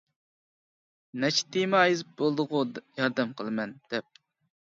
نەچچە تېما يېزىپ بولدىغۇ ياردەم قىلىمەن دەپ.